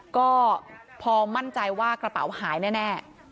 ก็พอมั่นใจว่ากระเป๋าหายแน่